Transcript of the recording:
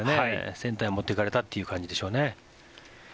センターへ持っていかれたという感じでしょうね。